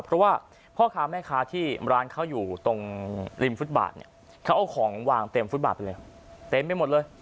เพราะว่าพ่อค้าแม่ค้าที่ร้านเขาอยู่ตรงริมฟุตบาทเนี่ยเขาเอาของวางเต็มฟุตบาทไปเลยเต็มไปหมดเลย